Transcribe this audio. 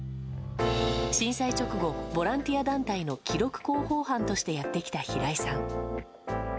震災直後、ボランティア団体の記録広報班としてやってきた平井さん。